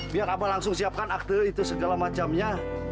biar abah langsung siapkan akte itu segala macemnya